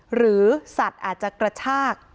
หรือสัตว์อาจจะกระชาก